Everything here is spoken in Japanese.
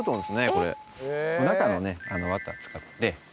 これ中のね綿使って。